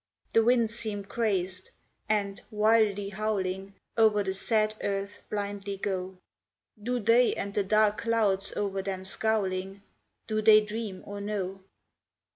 The winds seem crazed, and, wildly howling, Over the sad earth blindly go. Do they and the dark clouds over them scowling, Do they dream or know?